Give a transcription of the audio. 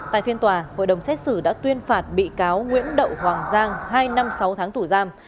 tại phiên tòa hội đồng xét xử đã tuyên phạt bị cáo nguyễn đậu hoàng giang hai năm sáu tháng tù giam